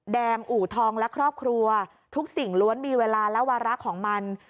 แดงอู่ทองและครอบครัวทุกสิ่งล้วนมีเวลาและวาระของมัน